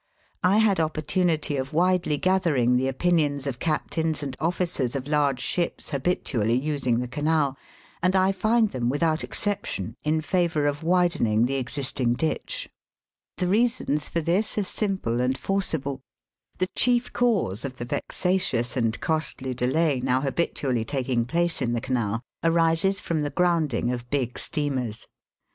I had opportunity of widely gathering the opinions of captains and officers of large ships habitually using the Canal, and I find them, without exception, in favour of widening the existing ditch. The reasons for Digitized by VjOOQIC Mi THEOUGH THE SUEZ CANAL. 359 this are simple and forcible. The chief cause of the vexatious and costly delay now habitu ally taking place in the Canal arises from the grounding of big steamers.